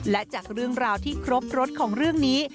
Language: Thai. และจากเรื่องราวที่ครบรถของเรื่องนี้